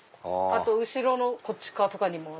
あと後ろのこっち側とかにも。